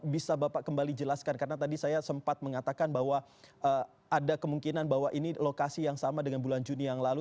bisa bapak kembali jelaskan karena tadi saya sempat mengatakan bahwa ada kemungkinan bahwa ini lokasi yang sama dengan bulan juni yang lalu